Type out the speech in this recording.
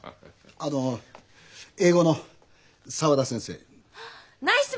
あの英語の沢田先生。